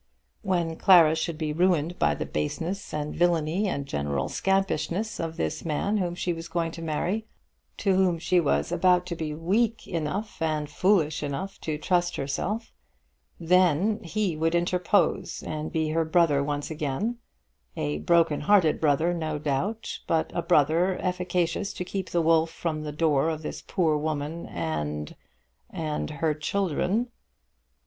When Clara should be ruined by the baseness and villany and general scampishness of this man whom she was going to marry, to whom she was about to be weak enough and fool enough to trust herself, then he would interpose and be her brother once again, a broken hearted brother no doubt, but a brother efficacious to keep the wolf from the door of this poor woman and her children.